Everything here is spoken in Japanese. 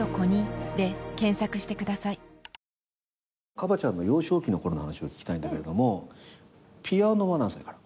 カバちゃんの幼少期の頃の話を聞きたいんだけれどもピアノは何歳から？